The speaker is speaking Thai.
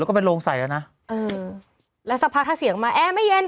แล้วก็ไปลงใส่แล้วนะเออแล้วสักพักถ้าเสียงมาเอ๊ะไม่เย็น